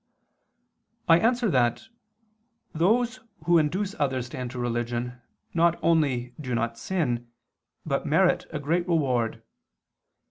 I answer that, Those who induce others to enter religion not only do not sin, but merit a great reward.